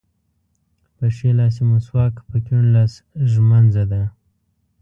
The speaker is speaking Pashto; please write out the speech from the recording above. په ښي لاس یې مسواک په کیڼ لاس ږمونځ ده.